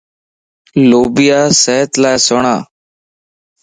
لوبيا صحت لا سھڻان